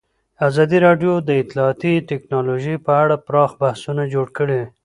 ازادي راډیو د اطلاعاتی تکنالوژي په اړه پراخ بحثونه جوړ کړي.